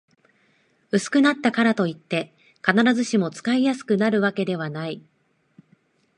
薄くなったからといって、必ずしも使いやすくなるわけではない